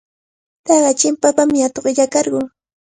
Taqay chimpapami atuq illakarqun.